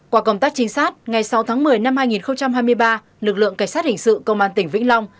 qua công tác trinh sát ngày sáu tháng một mươi năm hai nghìn hai mươi ba lực lượng cảnh sát hình sự công an tỉnh vĩnh long